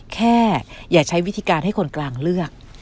แค่อย่าใช้วิธีการให้คนกลางเลือก